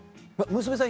娘さん